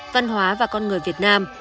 văn hóa và con người việt nam